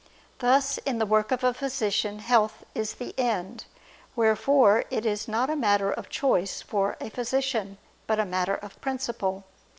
Thus in the work of a physician health is the end: wherefore it is not a matter of choice for a physician, but a matter of principle.